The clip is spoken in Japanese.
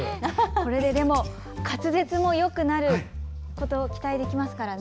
これで滑舌もよくなること期待できますからね。